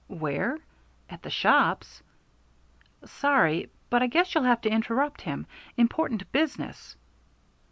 "Where? At the shops?" "Sorry, but I guess you'll have to interrupt him. Important business."